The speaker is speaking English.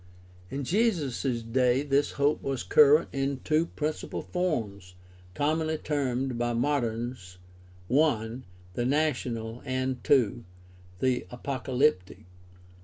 In Jesus' day this hope was current in two principal forms commonly termed by moderns (i) the national and (2) the apocalyptic.